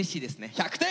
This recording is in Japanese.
１００点！